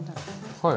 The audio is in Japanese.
はい。